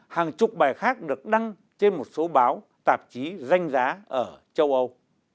hàng chục bài khác được đăng trên một số báo tạp chí danh giá ở châu âu